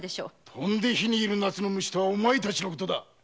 飛んで火に入る夏の虫とはお前たちのことだ！